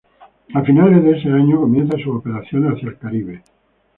A finales de este año, comienza sus operaciones hacia el Caribe.